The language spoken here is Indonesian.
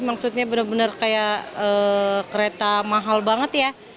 maksudnya bener bener kayak kereta mahal banget ya